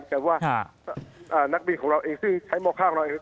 แต่ว่านักบินของเราเองซึ่งใช้มข้างเรา